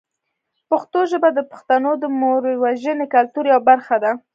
پښتو ژبه د پښتنو د موروثي کلتور یوه برخه ده.